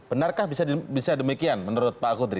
benarkah bisa demikian menurut pak kudri